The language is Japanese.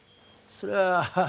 それは。